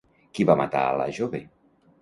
Qui va matar a la jove?